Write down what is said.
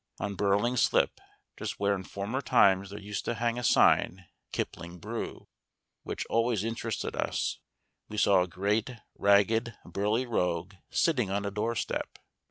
On Burling Slip, just where in former times there used to hang a sign KIPLING BREW (which always interested us), we saw a great, ragged, burly rogue sitting on a doorstep.